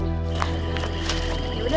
yaudah bagus deh